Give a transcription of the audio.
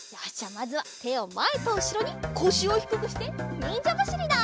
まずはてをまえとうしろにこしをひくくしてにんじゃばしりだ！